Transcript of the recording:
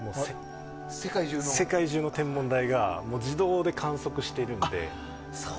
世界中の天文台が自動で観測しているので。